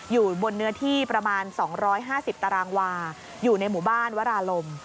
อยู่บนเนื้อที่ประมาณ๒๕๐ตารางวาอยู่ในหมู่บ้านวราลม